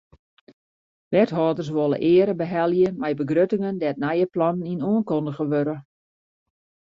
Wethâlders wolle eare behelje mei begruttingen dêr't nije plannen yn oankundige wurde.